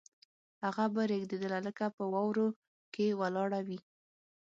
هغه به رېږدېدله لکه په واورو کې ولاړه وي